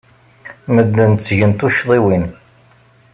Medden ttgen tuccḍiwin.